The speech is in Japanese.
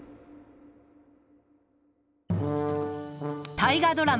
大河ドラマ